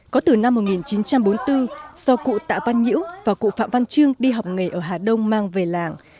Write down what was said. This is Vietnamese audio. có từ năm một nghìn chín trăm bốn mươi bốn do cụ tạ văn nhiễu và cụ phạm văn chương đi học nghề ở hà đông mang về làng